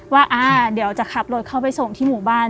ว่าเดี๋ยวจะขับรถเข้าไปส่งที่หมู่บ้าน